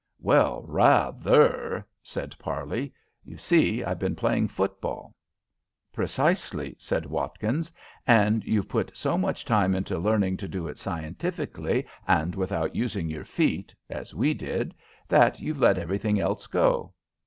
"Well, rather," said Parley. "You see, I've been playing football." "Precisely," said Watkins. "And you've put so much time into learning to do it scientifically and without using your feet, as we did, that you've let everything else go."